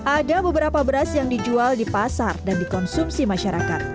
ada beberapa beras yang dijual di pasar dan dikonsumsi masyarakat